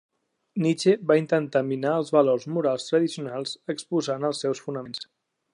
Nietzsche va intentar minar els valors morals tradicionals exposant els seus fonaments.